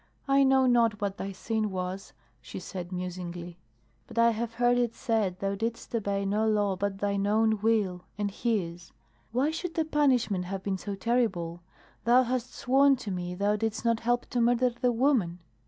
"I know not what thy sin was," she said musingly. "But I have heard it said thou didst obey no law but thine own will and his. Why should the punishment have been so terrible? Thou hast sworn to me thou didst not help to murder the woman."